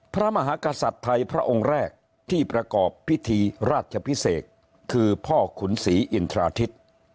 พระมหากษัตริย์ไทยพระองค์แรกที่ประกอบพิธีราชพิเศษคือพ่อขุนศรีอินทราทิศ